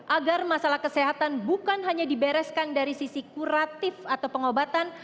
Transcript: agar masalah kesehatan bukan hanya dibereskan dari sisi kuratif atau pengobatan